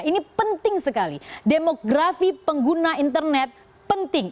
ini penting sekali demografi pengguna internet penting